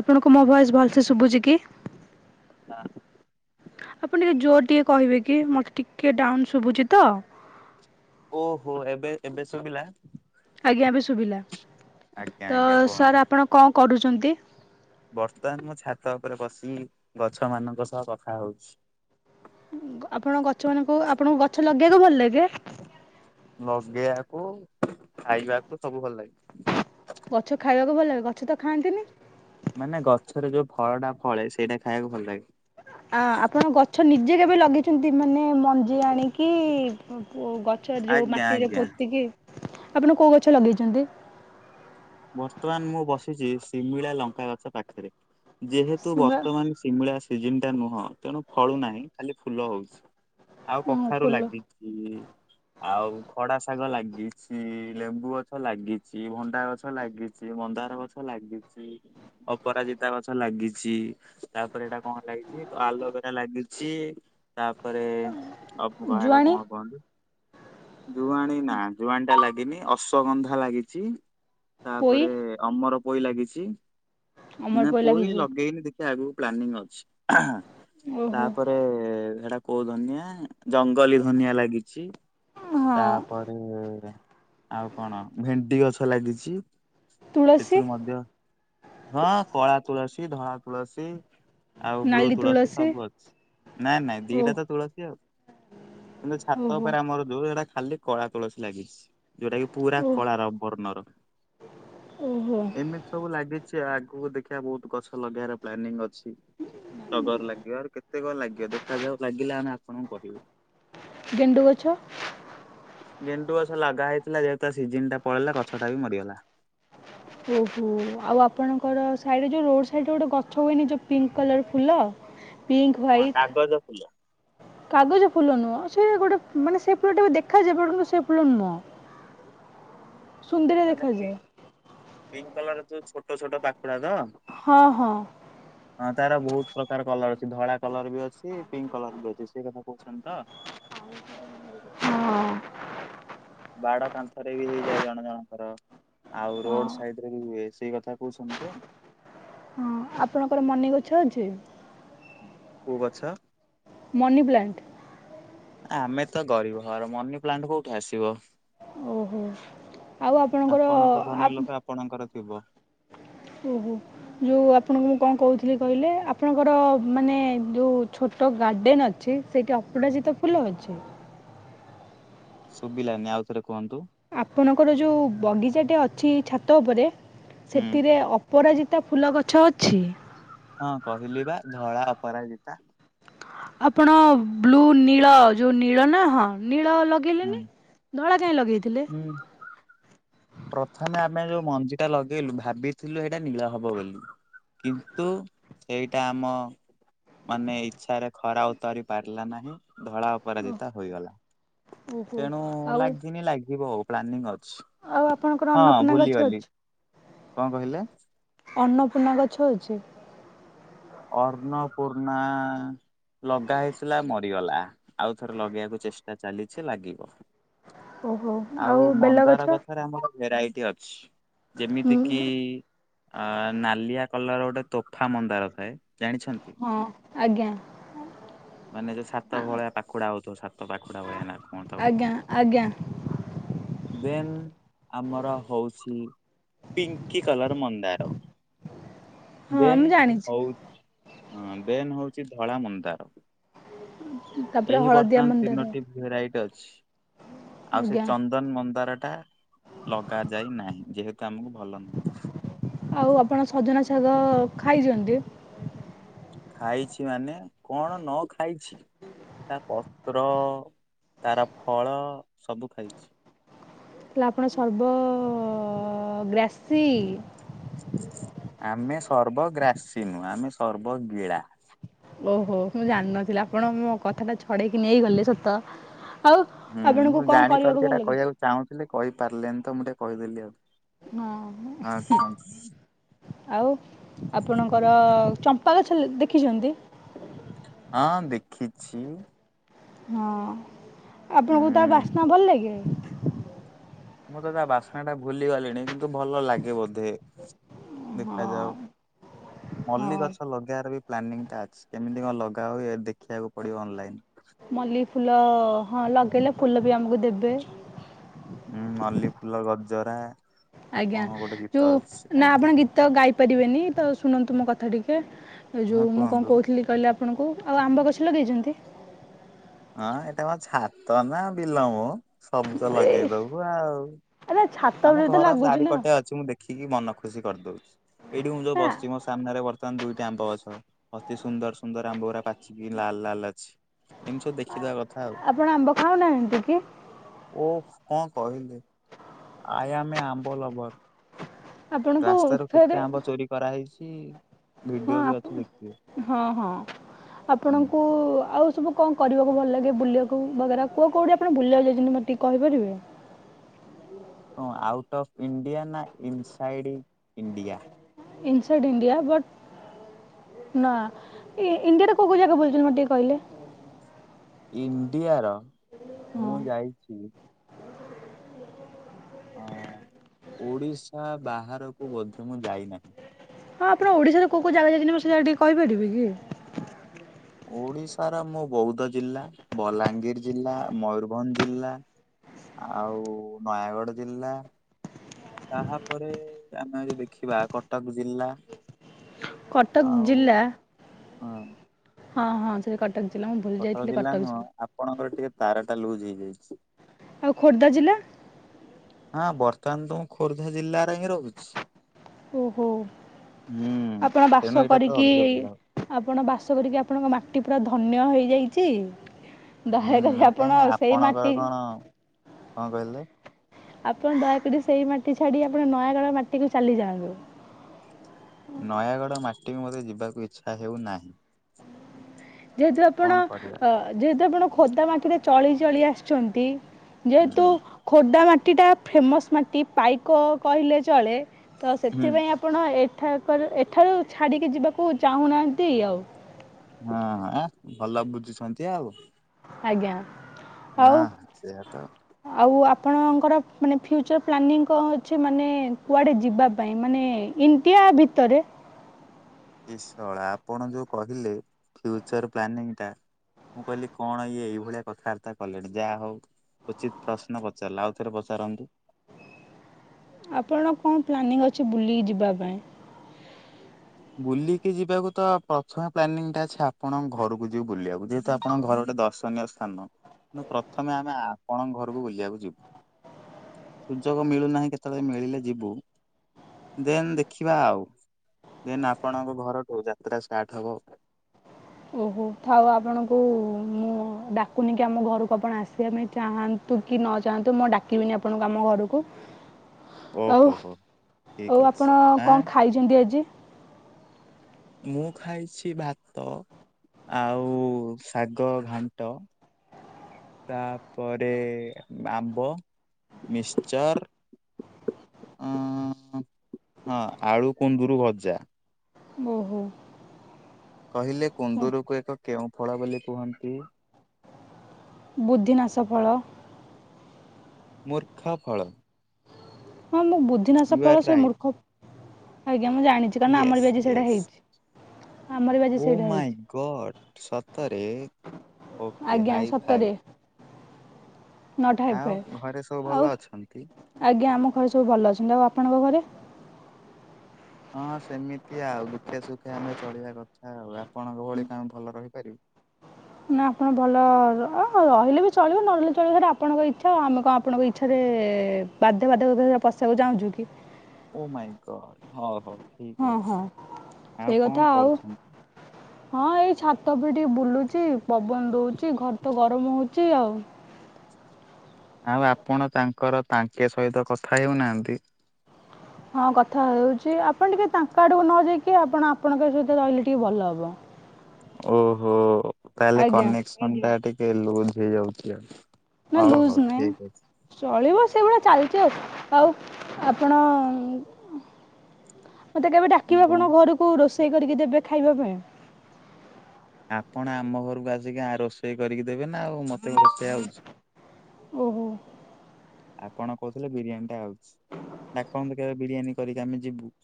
ଆପଣଙ୍କୁ ମୋ ଭଏସ୍ ଭଲସେ ଶୁଭୁଚି କି? ହ୍ୟାଲୋ। [inaudible] ଆପଣ ଟିକେ ଜୋର ଟିଏ କହିବେ କି ମତେ ଟିକେ ଡାଉନ୍ ଶୁଭୁଚି ତ। ଓ ହୋ ଏବେ ଏବେ ଶୁବିଲା? ଜ୍ଞା ଏବେ ଶୁଭିଲା। ଆଜ୍ଞା ତ ଆଜ୍ଞା ସାର୍ ଆପଣ କଁ କରୁଚନ୍ତି ବର୍ତ୍ତଆନ ମୁଁ ଛାତ ଉପରେ ବସି ଗଛମାନଙ୍କ ସହ କଥା ହଉଚି। [inaudible] ଆପଣ ଗଛମାନଙ୍କୁ ଆପଣଙ୍କୁ ଗଛ ଲବ୍- କେକୁ ଭଲ ଲାଗେ ଲଗେଇବାକୁ ଖାଇବାକୁ ସବୁ ଭଲ ଲାଗେ। ଗଛ ଖାଇବାକୁ ଭଲ ଲାଗେ ଗଛ ତ ଖାଆନ୍ତିନି? ମାନେ ଗଛରେ ଯୋଉ ଫଳଟା ଫଳେ ସେଇଟା ଖାଇବାକୁ ଭଲ ଲାଗେ। ଆ ଆପଣ ଗଛ୍ ନିଜେ କେବେ ଲଗେଇଛନ୍ତି ମ ମୁଁ ମଞ୍ଜି ଆଣିକି ଓଃ। ଓ ଗଛ ରେ ଯୋଉ ଆଜ୍ଞା ମାଟିରେ ଆଜ୍ଞା। ପୋତିକି ଆପଣ କୋଉ ଗଛ ଲଗେଇଚନ୍ତି? ବର୍ତ୍ତମାନ ମୁଁ ବସିଚି ଶିମିଳା ଲଙ୍କା ଗଛ ପାଖରେ। ଯେହେତୁ ଶିମଳା ବର୍ତ୍ତମାନ ଶିମିଳା ସିଜିିନ୍ ଟା ନୁହଁ ତେଣୁ ଫଳୁ ନାହିଁ ଖାଲି ଫୁଲ ହଉଚି। ଆଉ ହଁ କଖାରୁ ଫୁଲ ଲାଗିଛି। ଆଉ ଖଡା ଶାଗ ଲାଗିଛି, ଲେମ୍ବୁ ଗଛ ଲାଗିଚି ଭଣ୍ଡା ଗଛ ଲାଗିଚି ମନ୍ଦାର ଗଛ ଲାଗିଚି, ଅପରାଜିତା ଗଛ ଲାଗିଚି, ତାପରେ ଏଟା କଣ ଲାଗିଚି ଆଲବେରା ଲାଗିଚି। ତାପରେ ଆଉ କଣ ସେଟା ଜୁଆଣି କଣ କହନ୍ତି? ଜୁଆଣି ନା ଜୁଆଣିଟା ଲାଗିନି, ଅଶ୍ଵଗନ୍ଧା ଲାଗିଚି। ପୋଇ ତାପରେ ଅମର ପୋଇ ଲାଗିଚି। ଅମର ନା ପୋଇ ଲାଗିଛି ଲଗେଇନି ଦେ ସେ ଆଗୁକୁ ପ୍ଲାନିଂ ଅଛି। ଓହୋ ତାପରେ ହେଟା କୋଉ ଧନିଆ? ଜଙ୍ଗଲୀ ଧନିଆ ଲାଗିଚି ହଁ ତାପରେ ଆଉ କଣ ଭେଣ୍ଡି ଗଛ ଲାଗିଚି। ତୁଳସୀ ସେଥିରୁ ମଧ୍ୟ ହଁ କଳା ତୁଳସୀ ଧଳା ତୁଳସୀ ଆଉ ବ୍ଲୁ ତୁଳସୀ ସବୁ ଅଛି ନାଇଁ ନାଇଁ ଓ ଦିଟା ତ ତୁଳସୀ ଆଉ କିନ୍ତୁ ଛାତ ଓହୋ ଉପରେ ଆମର ଯୋଉ ସେଟା ଖାଲି କଳା ତଳସୀ ଲାଗିଛି। ଯୋଉଟା କି ପୁରା ଓ କଳାର ବର୍ଣ୍ଣର। ଓହୋ ଏମିତି ସବୁ ଲାଗି ସେ ଆଗକୁ ଦେଖିବା ବହୁତ ଗଛ ଲଗେଇବାର ପ୍ଲାନିଂ ଅଛି। ଟଗର ଲାଗିବ ଆହୁରି କେତେ କଣ ଲାଗିବ ଦେଖାଯାଉ ଲାଗିଲେ ଆମେ ଆ ଆପଣଙ୍କୁ କହିବି। ଗେଣ୍ଡୁ ଗଛ। ଗେଣ୍ଡୁ ଗଛ ଲଗା ହେଇଥିଲା ଯେହେତୁ ତା ସିଜିିନ୍ ଟା ପଳେଇଲା ଗଛଟା ବି ମରିଗଲା। ଓ ହୋ ଆଉ ଆପଣଙ୍କର ସାଇଡ୍ ରେ ଯୋଉ ରୋଡ୍ ସାଇଡ୍ ରେ ଗୋଟେ ଗଛ ହେଇନି ଯୋଉ ପିଙ୍କ୍ କଲର୍ ଫୁଲ। ପିଙ୍କ୍ ହଁ ହ୍ୱାଇଟ୍ କାଗଜ ଫୁଲ। କାଗଜ ଫୁଲ ନୁହଁ, ସିଏ ଗୋଟେ ମାନେ ସେ ଫୁଲ ଟା ବି ଦେଖାଯିବ୍ କିନ୍ତୁ ସେ ଫୁଲ ନୁହଁ। ସୁନ୍ଦର ମାନେ ଦେଖାଯାଏ। ପିଙ୍କ ପିଙ୍କ କଲର ଯୋଉ ଛୋଟ ଛୋଟ ପାଖଡା ତ ହଁ ହଁ ହଁ ତାର ବହୁତ ପ୍ରକାର କଲର ଅଛି ଧଳା କଲର ବି ଅଛି ପିଙ୍କ କଲର ବି ଅଛି ସେଇ କଥା କହୁଛନ୍ତି ତ। ହଁ ବାଡ କାନ୍ଥରେ ବି ହେଇଯାଏ ଜଣ ଜଣଙ୍କର ଆଉ ହଁ ରୋଡ ସାଇଡ ରେ ବି ହୁଏ ସେଇ କଥା କହୁସ ତ ହଁ ଆପଣଙ୍କର ମନିଗଛ ଅଛି। କେଉ ଗଛ। ମନି ପ୍ଲାନଟ ଆମେ ତ ଗରିବ ଘର ମନି ପ୍ଲାଣ୍ଟ କୋଉଠି ଆସିବ। ଓହୋ ଆଉ ଆପଣଙ୍କର ଆ ଶିବା ଓହୋ ଯୋଉ ଆପଣଙ୍କୁ କଣ କହୁଥିଲି କହିଲେ ଆପଣଙ୍କର ମାନେ ଯେଉ ଛୋଟ ଗାର୍ଡ଼େନ୍ ଅଛି ସେଇଠି ଅପରାଜିିତ ଫୁଲ ଅଛି। ଶୁଭିଲାନି ଆଉ ଥରେ କୁହନ୍ତୁ। ଆପଣଙ୍କର ଯୋଉ ବଗିଚା ଟେ ଅଛି ଛାତ ଉପରେ ହୁଁ ସେଥିରେ ଅପରାଜି କେତେ ଫୁଲ ଗଛ ଅଛି। ହଁ କହିଲି ବା ଧଳା ଅପରାଜିତା ଆପଣ ବ୍ଲୁ ନୀଳ ଯୋଉ ନୀଳ ନା ହଁ। ନୀଳ ହୁଁ ଲଗେଇଲେନି ଧଳା କାଇହିଁ ଲଗେଇଥିଲେ। ହୁଁ ପ୍ରଥମେ ଆମେ ଯୋଉ ମଞ୍ଜି ଟା ଲଗେଇଲୁ ଭାବିଥିଲୁ ଏଇଟା ନୀଳ ହବ ବୋଲି କିନ୍ତୁ ସେଇଟା ଆମ ମାନେ ଇଚଛାରେ ଖରା ଉତାର ପାରିଲା ନାହିଁ। ଧଳା ଅପରାଜିତା ହୋଇଗଲା। ଓହୋ ତେଣୁ ଆଉ ଲାଗିନି ଲାଗିବ ଆଉ। ପ୍ଲାନିଙ୍ଗ ଆଉ ଆପଣଙ୍କର ଅ ହଁ ଅନ୍ନପୂର୍ଣ୍ଣା ଗଛ ଭୁଲିଗଲି। ଅଛି କଣ କହିଲ? ଅନ୍ନପୂର୍ଣ୍ଣା ଗଛ ହେଉଛି। ପୁରୁଣା ଲଗା ହେଇଥିଲା ମରିଗଲା। ଆଉ ଥରେ ଲଗେଇବାକୁ ଚେଷ୍ଟା ଚାଲିଛି ଲାଗିବ। ଓହୋ। ଆଉ ମନ୍ଦାର ବେଲଗଛ। ଗଛରେ ଆମର ଭେରାଇଟି ଅଛି। ଯେମିତି କିି ଅ ନାଲିଆ କଲର ଗୋଟେ ତୋଫା ମନ୍ଦାର ଥାଏ ଜାଣିଛନ୍ତି। ହଁ ଆଜ୍ଞା। ମାନେ ଯୋଉ ସାତ ଭଳିଆ ପାଖୁଡା ହଉଥିବ ସାତ ପାଖୁଡା ଭଳିଆ ନା କଣ ତାକୁ ଆଜ୍ଞା କୁହନ୍ତି। ଆଜ୍ଞା ଦେନ୍ ଆମର ହଉଛି ପିଙ୍କି କଲର୍ ମନ୍ଦାର। ହଁ ଦେନ୍ ମୁଁ ଜାଣିଛି ହଉଛି ହଁ ଦେନ୍ ହଉଛି ଧଳା ମନ୍ଦାର। ତାପରେ ଏହି ହଳଦିଆ ବର୍ତ୍ତମାନ ମନ୍ଦାର ତିନୋଟି ଭେରାଇଟି ଅ [inaudible] ଆଉ ସେ ଆଜ୍ଞା ଚନ୍ଦନ ମନ୍ଦାର। [inaudible] ଲଗା ଯାଇ ନାହିଁ ଯେହେ ତମକୁ ଭଲ ନୁହଁ। ଆଉ ଆପଣ [inaudible] ଖାଇଛନ୍ତି। ଖାଇଛି ମାନେ କଣ ନ ଖାଇଛି ତା ପତ୍ର ତାର ଫଳ ସବୁ ଖାଇଛି। ହେଲେ ଆପଣ ସର୍ବ ଗ୍ରାସୀ। ଆମେ ସର୍ବଗ୍ରାସୀ ନୁହଁ ଆମେ ସର୍ବଗିଳା। ଓହୋ ମୁଁ ଜାଣିନଥିଲି ଆପଣ ମୋ କଥାଟା ଛଡେଇକି ନେଇ ଗଲେ ସତ। ଆଉ ହୁଁ ଆପଣଙ୍କୁ ମୁଁ କଣ କରିବାକୁ ଜାଣିପାରୁଛି ଭଲ ଏଇଟା ଲାଗେ କହିବାକୁ ଚାହୁଁଥିଲେ କହିପାରିଲେ ତ ମୁ ଟେ କହିଦେଲି ଆଉ। ହଁ ହଁ କୁହନ୍ତୁ [inaudible] ଆଉ ଆପଣଙ୍କର ଚମ୍ପା ଗଛ ଦେଖିଛନ୍ତି। ହଁ ଦେଖିଛି। ହଁ। ଆପଣଙ୍କୁ ତ ହୁଁ। ବାସ୍ନା ଭଲ ଲାଗେ? ମୁଁତ ତା ବାସ୍ନା ଟା ଭୁଲି ଗଲିଣି। କିନ୍ତୁ ଭଲ ଲାଗେ ବୋଧେ। ଦେଖାଯାଉ ହଁ ମଲ୍ଲୀ ହଁ ଗଛ ଲଗେଇବାର ବି ପ୍ଲାନିଂ ଟା ଅଛି କେମିତି କଣ ଲଗା ହୁଏ ଦେ ଦେଖିବାକୁ ପଡିବ ଅନଲାଇନ୍। ମଲ୍ଲି ଫୁଲ ହଁ ଲଗେଇଲେ ଫୁଲ ବି ଆମକୁ ଦେବେ। ହୁଁ ମଲି ଫୁଲ ଗ ଜରା। ଆଜ୍ଞା ଯୋଉ ନା ଆପଣ ଆଜ୍ଞା ଗୀତ ଗାଇ ପାରିବେନି ତ ଶୁଣନ୍ତୁ ମୋ କଥା ଟିକେ। ଏ ହଁ ଯୋଉ ମୁଁ କଣ କୁହନ୍ତୁ। କହୁଥିଲି କହିଲ। ଆପଣଙ୍କୁ ଆଉ ଆମ୍ବ ଗଛ ଲଗେଇଛନ୍ତି। ହଁ ଏଟା ମୋ ଛାତ ନା ବିଲମ ସବୁଜ ଏ ଲଗେଇ ଦବୁ ଆଉ। ଆରେ ଛାତ ଆମ ଉପରେ ତ ଘର ଲାଗୁଛି ଚାରି ନା। ପଟେ ଅଛି ମୁଁ ଦେଖିକି ମନ ଖୁସି କରିଦଉଛି ଏଇଠି ମୁଁ ଯୋଉ ନା ବସିଛି ମୋ ସାମ୍ନାରେ ବ ବର୍ତ୍ତମାନ ଦୁଇଟି ଆମ୍ବ ଗଛ ଅତି ସୁନ୍ଦର ସୁନ୍ଦର ଆମ୍ବ ଗୁଡା ପାଚିକି ଲାଲ ଲାଲ ଅଛି। ଏମିତି ସବୁ ଦେଖିଦବା କଥା ଆଉ ଆପଣ ଆମ୍ବ ଖାଉନାହାନ୍ତି କି? ଓ କଣ କହିଲି। ଆଇ ଆମ ଏ ଆମ୍ବ ଲଭର। ଆପଣଙ୍କୁ ରାସ୍ତା ରୁ ଫେରେ କେତେ ଆମ୍ବ ଚୋରି କରାହେଇ କି। ହଁ ଆ ହଁ ହଁ ଆପଣଙ୍କୁ ଆଉ ସବୁ କଣ କରିବାକୁ ଭଲ ଲାଗେ ବୁଲିବାକୁ ବ କୁ କୋଉଠି ଆପଣ ବୁଲିବାକୁ ଯାଇତି ମତେ ଟିକେ କହିପାରିବେ। କଣ ଆଉଟ୍ ଅଫ୍ ଇଣ୍ଡିଆ ନା inside India. Inside India but ନା ଇଣ୍ଡିଆରେ କଉଁ କେଉଁ ଜାଗା ବୁଲୁଛନ୍ତି ମୋେ ଟିକେ କହିଲେ। ଇଣ୍ଡିଆର ହଁ ମୁଁ ଯାଇଛି। ଅ ଓଡିଶା ବାହାରକୁ ବୋଧେ ମୁଁ ଯାଇନାହିଁ। ହଁ ଆପଣ ଓଡିଶାରେ କୋଉ କୋଉ ଜାଗା ଯାଇଛନ୍ତି ମୁ ସୋ ଟିକେ କହିପାରିବେ କି। ଓଡିଶାର ମୁଁ ବୌଦ୍ଧ ଜିଲ୍ଲା ବଲାଙ୍ଗୀର ଜିଲ୍ଲା ମୟୂୁରଭଞ୍ଜ ଜିଲ୍ଲା ଆଉ ନୟାଗଡ଼ ଜିଲ୍ଲା ତାପରେ ଆମେ ଯଦି ଦେଖିବା କଟକ ଜିଲ୍ଲା। କଟକ ଆଉ ଜିଲ୍ଲା। ହଁ ହଁ ହଁ ସେ କା କଟକ ଜିଲ୍ଲା ନୁହଁ ଆପଣଙ୍କର ଟିକେ ତାରା ତାଲୁ ଯାଇଛି। ଆଉ ଖୋର୍ଦ୍ଧା ଜିଲ୍ଲା ହ ବର୍ତ୍ତମାନ ତ ମୁଁ ଖୋର୍ଦ୍ଧା ଜିଲ୍ଲାରେ ହିଁ ରହୁଛି। ଓହୋ ହୁଁ ଆପଣ ତେଣୁ ବାସ ଏଇଟା ତ କରିକି ଅଧିକ ବୁଲା ହବ। ଆପଣ ବାସ କରିକି ଆପଣଙ୍କ ମାଟି ପୁରା ଧନ୍ୟ ହେଇ ଯାଇଛି। ହୁଁ ଏଟା ମାଟି ଆପଣଙ୍କର କଣ କଣ କହିଲେ। ଆପଣ ଦୟାକରି ସେଇ ମାଟି ଛାଡି ଆପଣ ନୟାଗଳ ମାଟିକୁୁ ଚାଲି ଯାଆନ୍ତୁ। ନୟାଗଡ଼ ମା କ ମୋତେ ଯିବାକୁ ଇଚ୍ଛା ହେଉନାହିଁ। ଯେହେତୁ ଆପଣ କଣ କରିବା ଅ ଯେହେତୁ ଆପଣ ଖୋଦା ମାଟିରେ ଚଳି ଚଳି ଆସିଛନ୍ତି ଯେହେତୁ ହୁଁ ଖୋର୍ଦ୍ଧା ମାଟି ମାଟିଟା ଫେମସ୍ ମାଟି ପାଇକ କହିଲେ ଚଳେ ତ ହୁଁ ସେଥିପାଇଁ ଆପଣ ଏ ଏଠା ଏଠାରୁ ଛାଡ଼ିକି ଯିବାକୁ ଚାହୁଁନାହାନ୍ତି ଆଉ। ହଁ ଭଲ ବୁଝୁଛନ୍ତି ଆଉ। ଆଜ୍ଞା। ହଁ ଆଉ ସେଇଆ ତ। ଆଉ ଆପଣଙ୍କର ମାନେ ଫ୍ୟୁଚର ପ୍ଲାନିଂ କଣ ଅଛି। ମାନେ କୁଆଡେ ଯିବା ପାଇଁ। ମାନେ ଇଣ୍ଡିଆ ଭିତରେ କିଶଳା ଆପଣ ଯୋଉ କହିଲେ ଫ୍ୟୁଚର ପ୍ଲାନିଂ ଟା ମୁଁ କହିଲି କଣ ଇଏ ଏଇଭଳିଆ କଥାବାର୍ତ୍ତା କଲେଣି ଯାହା ହଉ ଉଚିତ ପ୍ରଶ୍ନ ପଚାରିଲା ଆଉ ଥରେ ପଚାରନ୍ତୁ। ଆପଣଙ୍କ କଣ ପ୍ଲାନିଂ ଅଛି ବୁଲି ଯିବା ପାଇଁ। ବୁଲିକି ଯିବାକୁ ତ ପ୍ରଥମେ ପ୍ଲାନିଂଟା ଅଛି ଆପଣଙ୍କ ଘରକୁ ଯିବୁ ବୁଲିବାକୁ ଯେହେତୁ ଆପଣଙ୍କ ଘର ଗୋଟେ ଦର୍ଶନୀୟ ସ୍ଥାନ। କିନ୍ତୁ ପ୍ରଥମେ ଆମେ ଆପଣଙ୍କ ଘରକୁ ବୁଲିବାକୁ ଯିବୁ ସୁଯୋଗ ମିଳୁନାହିଁ କେତେବେଳେ ମିଳିଲେ ଯିବୁ ଦେନ ଦେଖିବା ଆଉ। ଦ ଆପଣଙ୍କ ଘରଠୁ ଯାତ୍ରା ଷ୍ଟାର୍ଟ ହବ ବହୁ ଆଉ ଆପଣଙ୍କୁ ମୁଁ ଡାକୁନି କି ଆମ ଘରକୁ ଆପଣ ଆସିବା ପାଇଁ ଚାହାନ୍ତୁ କି ନ ଚାହାନ୍ତୁ ମୁଁ ଡାକିବିନି ଆପଣଙ୍କୁ ଆମ ଘରକୁ ଆଉ ଓହୋ ହୋ ଠିକ ଆଉ ଅଛି ଆପଣ ଆଁ କଣ ଖାଇଛନ୍ତି ଆଜି। ମୁଁ ଖାଇଛି ଭାତ ଆଉ ଶାଗ ଘାଣ୍ଟ ତାପରେ ଆମ୍ବ ମିକଚର ହଁ ଆଳୁ କୁନ୍ଦରୁ ଭଜା। ଓହୋ କହିଲେ ହୁଁ, କୁନ୍ଦୁରକୁ ଏକ କେଉଁ ଫଳ ବୋଲି କୁହନ୍ତି। ବୁଦ୍ଧିନାଶ ଫଳ ମୂର୍ଖ ଫଳ ହଁ ମୁଁ ବୁଦ୍ଧିନାଶ ୟୁ ଫଳ ଆର୍ ସେଇ ରାଇଟ୍ ମୂର୍ଖ ଆଞା ମୁଁ ଜାଣିଛି। କାରଣ ଆମର ୟେସ୍ ବି ବାଜି ସେଇଟା ୟେସ୍। ହେଇଛି। ଆମର ବି ବାଜି ସେଇଟା ହେଇଛି। ତରେ ଆଜ୍ଞା ସତରେ ନଟ ହାଇ ଆଉ ଫାଏ ଘରେ ସବୁ ଭଲ ଆଉ ଅଛନ୍ତି? ଆଜ୍ଞା ଆମ ଘରେ ସବୁ ଭଲ ଅଛନ୍ତି। ଆଉ ଆପଣଙ୍କ ଘରେ? ହଁ ସେମିତି ଆଉ ଦୁଃଖେ ସୁଖେ ଆମେ ଚଳିବା କଥା ଆଉ ଆପଣଙ୍କ ଭଳି କଣ ଆମେ ଭଲ ରହିପାରିବୁ। ନା ଆପଣ ଭଲ ର ରହିଲେ ବି ଚଳିବ ନ ରହିଲେ ଚଳିବ ସେଇଟା ଆପଣଙ୍କ ଇଚ୍ଛା ଆଉ ଆମେ କଣ ଆପଣଙ୍କ ଇଚ୍ଛାରେ ବାଧ୍ୟ ବାଧକତାରେ ପଶିବାକୁ ଚାହୁଁଛୁ କି ଓ ମାଇଁ ଗଡ ହଉ ହଉ ହଁ ଠିକ ଅଛି ହଁ ସେଇ ଆଉ କଥା କଣ କରୁଛନ୍ତି? ହଁ ଏଇ ଛାତ ଉପରେ ଟିକ ବୁଲୁଛି ପବନ ଦଉଛି ଘରେ ତ ଗରମ ହଉଛିି ଆଉ ଆଉ ଆପଣ ତାଙ୍କର ତାଙ୍କେ ସହିତ କଥା ହେଉ ନାହାନ୍ତି? ହଁ କଥା ହେଉଛି ଆପଣ ଟିକେ ତାଙ୍କ ଆଡକୁ ନ ଯାଇକି ଆପଣ ଆପଣଙ୍କ ସହିତ ରହିଲେ ଟିକେ ଭଲ ହବ। ଓହୋ ତାହଲେ କନେକ୍ସନ ଟା ଟି କେ ଲୁଜ ହେଇ ଯାଉଛି ଆଉ ନା ହଉ ହଉ ଲୁଜ ଠିକ୍ ଅଛି। ନୁହେଁ ଚଳିବ ସେଗୁଡା ଚାଲିଚି ଚି ଆଉ ଆପଣ ଉଁ ମତେ କେବେ ଡାକିବେ ଏବଂ ଆପଣଙ୍କ ଘରକୁ ରୋଷେ ଷେଇ କରିକି ଦେବେ ଖାଇବା ପାଇଁ ଆପଣ ଆମ ଘରକୁ ଆସିକି ଆ ରୋଷେଇ କରିକି ଦେବେ ନା ଆଉ ମତେ କଣ ରୋଷେଇ ଆଉଛି। ଓହୋ ଆପଣ କହୁଥିଲେ ବିରିୟାନୀ ଟା ଆଉଛି ଡାକନ୍ତୁ କେବେ ବିରିୟାନୀ କରିକି ଆମେ ଯିବୁ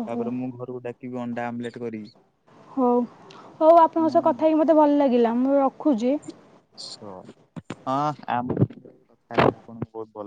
ଓହୋ ମୁଁ ଘରୁକୁ ଡାକିବି ଅଣ୍ଡା ଆମଲେଟ କରିକି। ହଉ ହଉ ଆପଣଙ୍କ ହୁଁ ସହ କଥା ହେଇକି ମତେ ଭଲ ଲାଗିଲା ମୁଁ ରଖୁଛି। ହଁ ଆମ [inaudible] ପଣ ବହୁତ ଭଲ